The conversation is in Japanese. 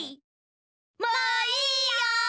もういいよ！